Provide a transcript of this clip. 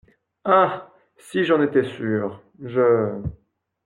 Ah ! si j’en étais sûre !… je…